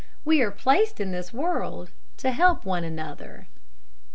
We are placed in this world to help one another.